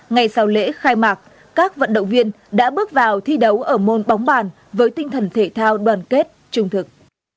ngày sau lễ khai mạc các vận động viên đã bước vào thi đấu ở môn bóng bàn với tinh thần thể thao đoàn kết trung thực